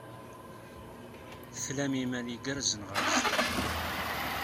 Tlam imal igerrzen ɣer sdat.